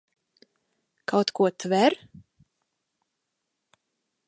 Kaut ko tver?